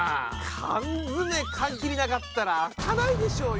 缶詰缶切りなかったら開かないでしょうよ！